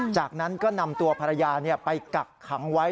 จากนั้นก็นำตัวภรรยาไปกักขังไว้